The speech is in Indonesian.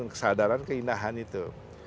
kesadaran keindahan itu